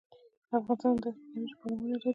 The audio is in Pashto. افغانستان د دښتو د ترویج پروګرامونه لري.